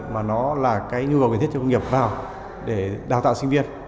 mà nó là cái nhu cầu cần thiết cho công nghiệp vào để đào tạo sinh viên